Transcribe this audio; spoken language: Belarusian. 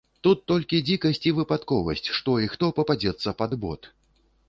Тут толькі дзікасць і выпадковасць, што і хто пападзецца пад бот?!